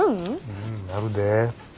うんなるで。